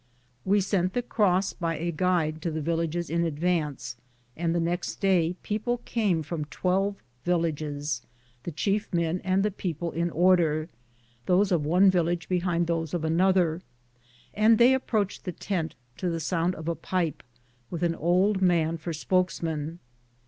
We sent the cross by a guide to the villages in advance, and the next day people came from twelve villages, the chief men and the people in order, those of one village behind those of another, and they approached the tent to the sound of a pipe, and with an old man for spokesman.